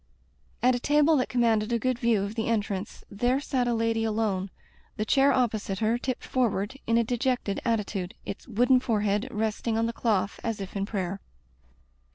At a table that commanded a good view of the entrance there sat a lady alone, the chair opposite her tipped forward in a dejected at titude, its wooden forehead resting on the cloth as if in prayer.